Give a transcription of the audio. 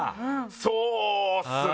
そうですね。